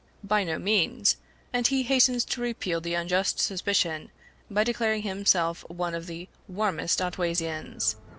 By no means; and he hastens to repel the unjust suspicion, by declaring himself one of the warmest Otwaysians.